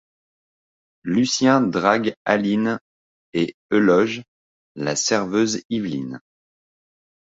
Lucien drague Aline et Euloge, la serveuse Yveline.